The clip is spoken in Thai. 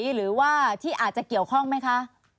หรือว่าที่อาจจะเกี่ยวข้องไหมคะ